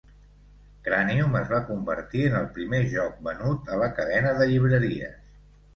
"Cranium" es va convertir en el primer joc venut a la cadena de llibreries.